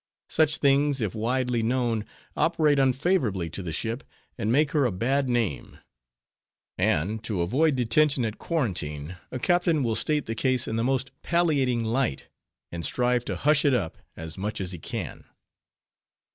Such things, if widely known, operate unfavorably to the ship, and make her a bad name; and to avoid detention at quarantine, a captain will state the case in the most palliating light, and strive to hush it up, as much as he can.